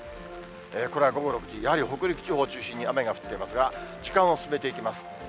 これは午後６時、やはり北陸地方を中心に雨が降っていますが、時間を進めていきます。